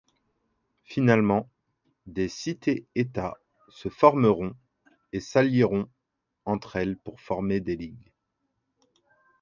Finalement, des Cités-État se formeront et s'allieront entre elles pour former des Ligues.